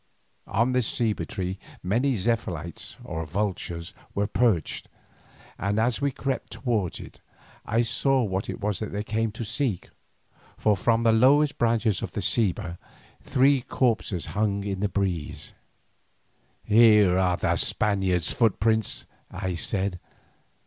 On this ceiba tree many zaphilotes or vultures were perched, and as we crept towards it I saw what it was they came to seek, for from the lowest branches of the ceiba three corpses swung in the breeze. "Here are the Spaniard's footprints," I said.